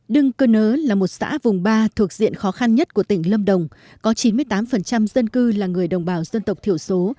đưng cơ nớ là một xã vùng ba thuộc diện khó khăn nhất của tỉnh lâm đồng có chín mươi tám dân cư là người đồng bào dân tộc thiểu số